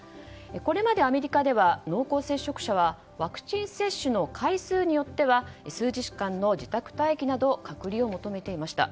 これまでアメリカでは濃厚接触者はワクチン接種の回数によっては数日間の自宅待機など隔離を求めていました。